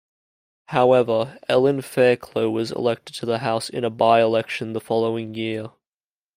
However, Ellen Fairclough was elected to the House in a by-election the following year.